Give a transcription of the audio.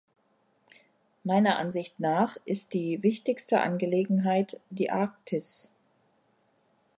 Meiner Ansicht nach ist die wichtigste Angelegenheit die Arktis.